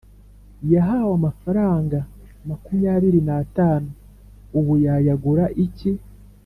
yahawe amafaranga makumyabiri n atanu ubu yayagura iki